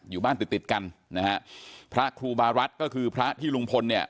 อยู่บ้านติดติดกันนะฮะพระครูบารัฐก็คือพระที่ลุงพลเนี่ย